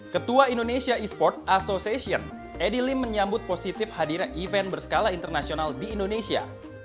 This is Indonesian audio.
ketua indonesia e sport association edi lim menyambut positif hadirnya event berskala internasional di indonesia